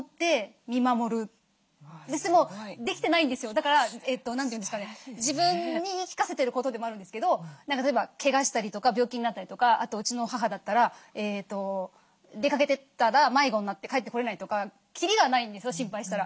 だから何て言うんですかね自分に言い聞かせてることでもあるんですけど例えばけがしたりとか病気になったりとかうちの母だったら出かけてったら迷子になって帰ってこれないとかきりがないんですよ心配したら。